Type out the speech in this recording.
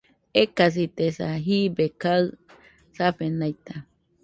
Ekasitesa, jibe kaɨ safenaita